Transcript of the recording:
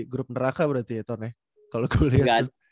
grup neraka berarti eton ya